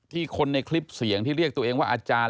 คนในคลิปเสียงที่เรียกตัวเองว่าอาจารย์